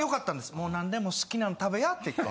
「もう何でも好きなん食べや」って言って。